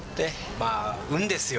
まあ、運ですよ。